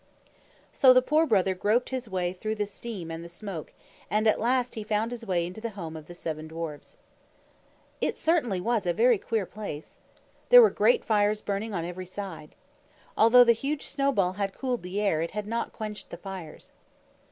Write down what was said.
So the Poor Brother groped his way through the steam and the smoke, and at last he found his way into the home of the seven dwarfs. It certainly was a very queer place! There were great fires burning on every side. Although the huge snowball had cooled the air, it had not quenched the fires.